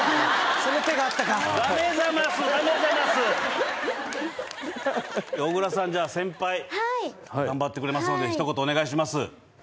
その手があったか小倉さんじゃあ先輩はい頑張ってくれますので一言お願いします